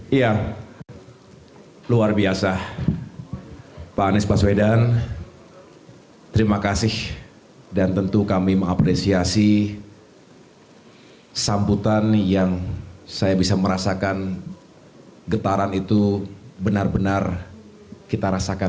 iya luar biasa pak anies baswedan terima kasih dan tentu kami mengapresiasi sambutan yang saya bisa merasakan getaran itu benar benar kita rasakan